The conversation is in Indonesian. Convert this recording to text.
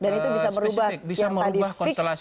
spesifik yang tadi fix